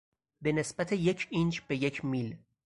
به نسبت یک اینچ به یک میل